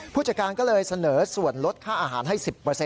ผู้จัดการก็เลยเสนอส่วนลดค่าอาหารให้๑๐